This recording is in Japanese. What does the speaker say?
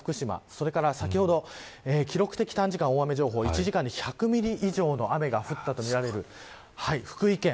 それから先ほど記録的短時間大雨情報１時間に１００ミリ以上の雨が降ったとみられる福井県